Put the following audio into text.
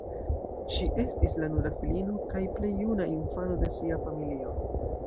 Ŝi estis la nura filino kaj plej juna infano de sia familio.